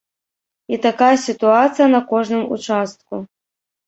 І такая сітуацыя на кожным участку.